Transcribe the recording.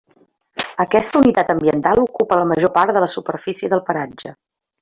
Aquesta unitat ambiental ocupa la major part de la superfície del paratge.